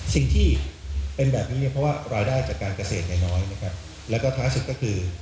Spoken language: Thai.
สิ่งที่เป็นแบบนี้เพราะว่ารายได้จากการเกษตรในน้อยและก็ท้ายสิทธิ์ก็คือ